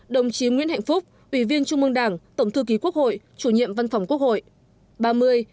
hai mươi chín đồng chí nguyễn hạnh phúc ủy viên trung mương đảng tổng thư ký quốc hội chủ nhiệm văn phòng quốc hội